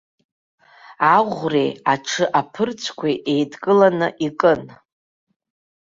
Аӷәреи аҽы аԥырцәқәеи еидкыланы икын.